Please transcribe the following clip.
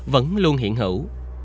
vẫn luôn hiện hữu